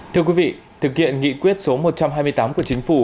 thưa quý vị thực hiện nghị quyết số một trăm hai mươi tám của chính phủ